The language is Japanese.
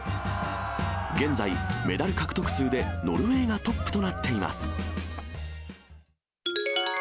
現在、メダル獲得数でノルウェーがトップとなっています。